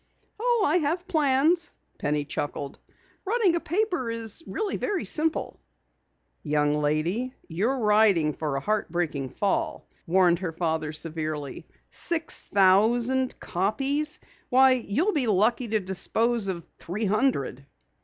"Oh, I have plans," Penny chuckled. "Running a paper is really very simple." "Young lady, you're riding for a heartbreaking fall," warned her father severely. "Six thousand copies! Why, you'll be lucky to dispose of three hundred!"